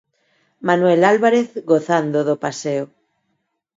Manuel Álvarez gozando do paseo.